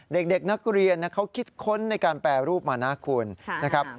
เด็กนักเรียนเขาคิดค้นในการแปรรูปมานะคุณนะครับ